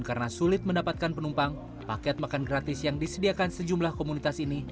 karena sulit mendapatkan penumpang paket makan gratis yang disediakan sejumlah komunitas ini